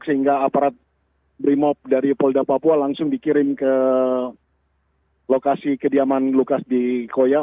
sehingga aparat brimob dari polda papua langsung dikirim ke lokasi kediaman lukas di koya